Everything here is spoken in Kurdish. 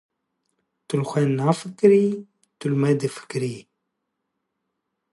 Tu li xwe nafikirî, tu li me difikirî.